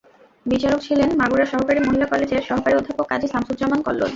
বিচারক ছিলেন মাগুরা সরকারি মহিলা কলেজের সহকারী অধ্যাপক কাজী শামসুজ্জামান কল্লোল।